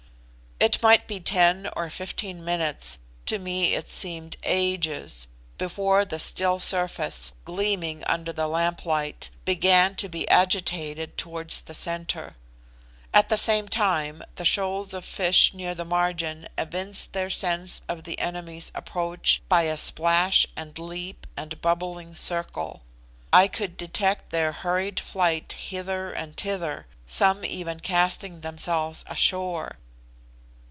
It might be ten or fifteen minutes, to me it seemed ages, before the still surface, gleaming under the lamplight, began to be agitated towards the centre. At the same time the shoals of fish near the margin evinced their sense of the enemy's approach by splash and leap and bubbling circle. I could detect their hurried flight hither and thither, some even casting themselves ashore.